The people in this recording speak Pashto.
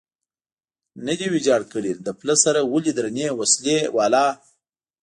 نه دی ویجاړ کړی، له پله سره ولې درنې وسلې والا.